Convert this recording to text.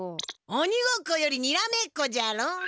おにごっこよりにらめっこじゃろ。